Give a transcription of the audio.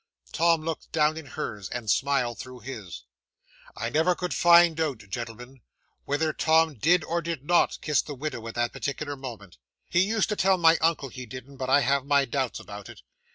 Tom looked down in hers, and smiled through his. 'I never could find out, gentlemen, whether Tom did or did not kiss the widow at that particular moment. He used to tell my uncle he didn't, but I have my doubts about it.